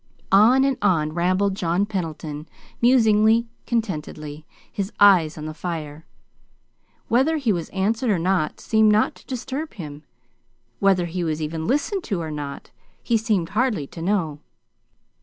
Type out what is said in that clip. On and on rambled John Pendleton, musingly, contentedly, his eyes on the fire. Whether he was answered or not seemed not to disturb him. Whether he was even listened to or not, he seemed hardly to know.